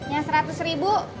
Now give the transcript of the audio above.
yang seratus ribu